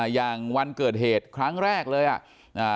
อย่างวันเกิดเหตุครั้งแรกเลยอ่ะ